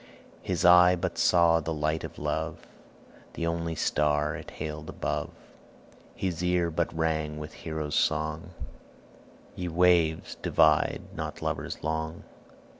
His eye but saw that light of love, The only star it hailed above; His ear but rang with Hero's song, 'Ye waves, divide not lovers long.'